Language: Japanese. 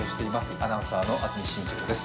アナウンサーの安住紳一郎です。